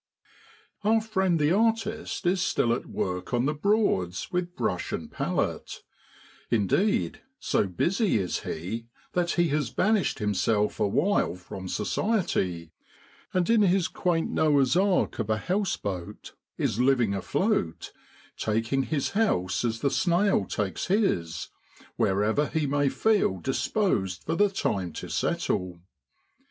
Our friend the artist is still at work on the Broads with brush and palette; indeed, so busy is he that he has banished himself awhile from society, and in his quaint Noah's ark of a house boat is living afloat, taking his house as the snail takes his, wherever he may feel disposed for the time to settle.